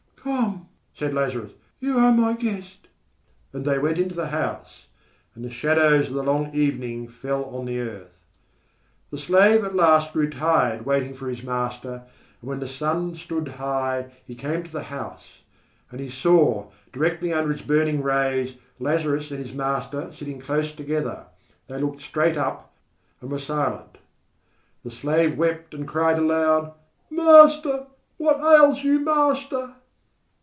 "Come," said Lazarus, "you are my guest." And they went into the house. And the shadows of the long evening fell on the earth... The slave at last grew tired waiting for his master, and when the sun stood high he came to the house. And he saw, directly under its burning rays, Lazarus and his master sitting close together. They looked straight up and were silent. The slave wept and cried aloud: "Master, what ails you, Master!"